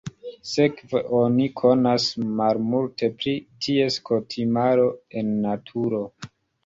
Sekve oni konas malmulte pri ties kutimaro en naturo.